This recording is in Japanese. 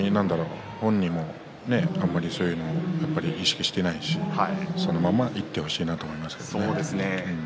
本人も、あまり意識していないしそのままいってほしいなと思います。